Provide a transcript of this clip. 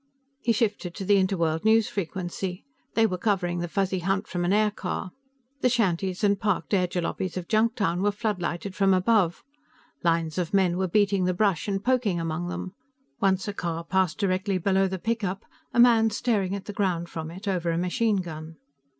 He shifted to the Interworld News frequency; they were covering the Fuzzy hunt from an aircar. The shanties and parked airjalopies of Junktown were floodlighted from above; lines of men were beating the brush and poking among them. Once a car passed directly below the pickup, a man staring at the ground from it over a machine gun.